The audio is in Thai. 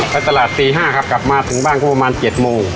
ไปตลาดตี๕ครับกลับมาถึงบ้านก็ประมาณ๗โมง